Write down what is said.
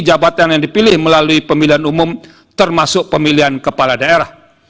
jabatan yang dipilih melalui pemilihan umum termasuk pemilihan kepala daerah